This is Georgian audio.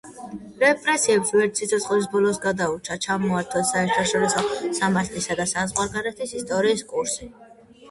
რეპრესიებს ვერც სიცოცხლის ბოლოს გადაურჩა, ჩამოართვეს საერთაშორისო სამართლისა და საზღვარგარეთის ისტორიის კურსი.